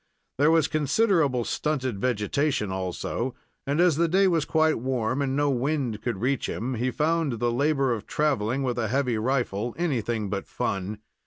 There was considerable stunted vegetation, also, and, as the day was quite warm, and no wind could reach him, he found the labor of traveling with a heavy rifle anything but fun.